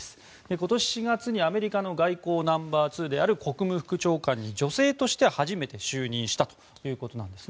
今年４月にアメリカの外交ナンバー２である国務副長官に女性として初めて就任したということです。